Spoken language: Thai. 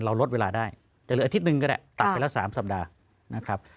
ลดเวลาได้จะเหลืออาทิตย์หนึ่งก็ได้ตัดไปแล้ว๓สัปดาห์นะครับ